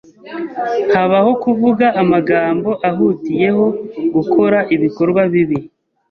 Habaho kuvuga amagambo ahutiyeho, gukora ibikorwa bibi